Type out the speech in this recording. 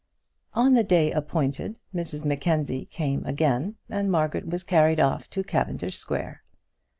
On the day appointed Mrs Mackenzie again came, and Margaret was carried off to Cavendish Square.